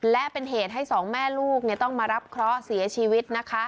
และเป็นเหตุให้สองแม่ลูกต้องมารับเคราะห์เสียชีวิตนะคะ